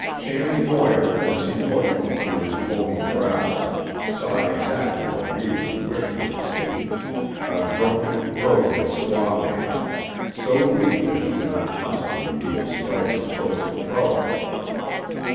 Shanty Moir as he looked from under his bony brows saw exactly what Reivers wished him to see: a drunken broken squaw man, so weak that he could not possibly be the slightest source of trouble.